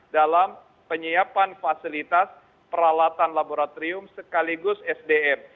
dalam penyiapan fasilitas peralatan laboratorium sekaligus sdm